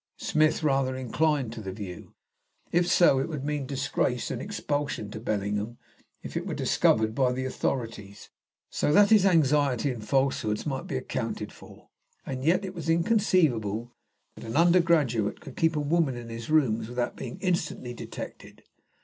Smith rather inclined to the view. If so, it would mean disgrace and expulsion to Bellingham if it were discovered by the authorities, so that his anxiety and falsehoods might be accounted for. And yet it was inconceivable that an undergraduate could keep a woman in his rooms without being instantly detected.